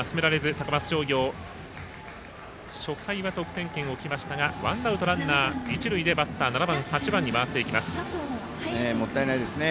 高松商業、初回は得点圏置きましたがワンアウト、ランナー、一塁でバッター、７番、８番にもったいないですね。